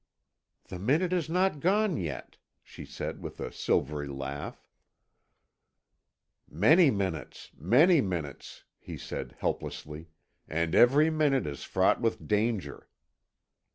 '" "The minute is not gone yet," she said with a silvery laugh. "Many minutes, many minutes," he said helplessly, "and every minute is fraught with danger."